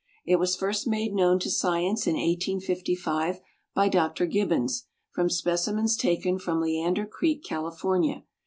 It was first made known to science in 1855 by Dr. Gibbons from specimens taken from Leander Creek, California.